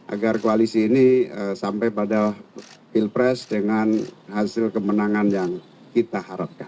agar koalisi ini sampai pada pilpres dengan hasil kemenangan yang kita harapkan